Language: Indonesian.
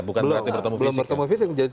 belum belum bertemu fisik